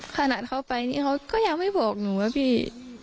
ขนาดเขาไปนี่เขาก็ยังไม่บอกหนูนะพี่